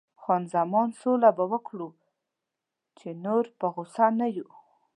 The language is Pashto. خان زمان: سوله به وکړو، چې نور په غوسه نه یو.